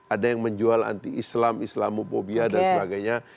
ada yang menjual anti islam islamophobia dan sebagainya